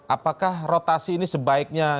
apakah rotasi ini sebaiknya